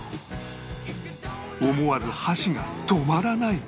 思わず箸が止まらない！